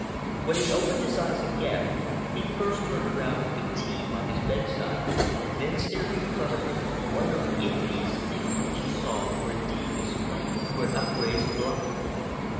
When he opened his eyes again, he first turned around for the tea by his bedside, then stared in front of him, wondering if these things which he saw were indeed displayed through an upraised blind.